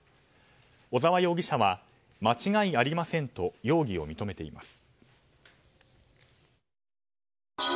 小沢容疑者は間違いありませんと容疑を認めています。